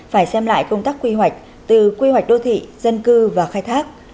phải xem lại công tác quy hoạch từ quy hoạch đô thị dân cư và khai thác